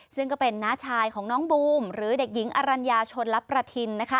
ซึ่งก็เป็นน้าชายของน้องบูมหรือเด็กหญิงอรัญญาชนลับประทิน